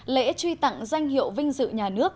lễ truy tặng danh hiệu vinh dự nhà nước